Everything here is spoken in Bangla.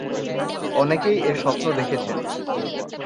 অনেকেই এর স্বপ্ন দেখেছেন।